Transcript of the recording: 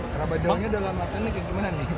kerabat jauhnya dalam artinya kayak gimana nih